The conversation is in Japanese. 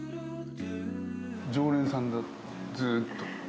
常連さんだった、ずっと。